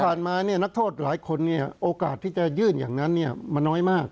ที่ผ่านมาเนี่ยนักโทษหลายคนเนี่ยโอกาสที่จะยื่นอย่างนั้นเนี่ยมันน้อยมาก